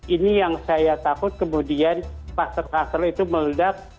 ini yang saya takut kemudian kluster kluster itu meledak